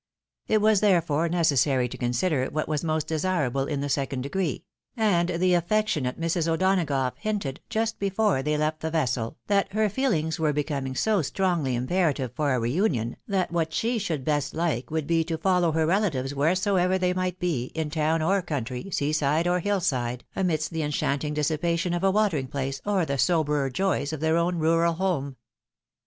It was, therefore, necessary to consider what was most desirable in the second degree; and the affectionate Mrs. O'Donagough hinted, just before they left the vessel, that her feehngs were becoming so strongly imperative for a reunion, that what she should best Kke would be, to follow her relatives wheresoever they might be, in town or country, sea side or hill side, amidst the enchanting dissipation of a watering place, or the soberer joys of their own rural home.